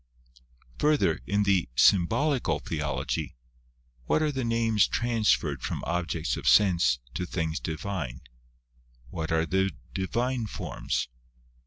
Further, in the Symbolical Theology, what are the Names transferred from objects of sense to things Divine? what are the Divine forms?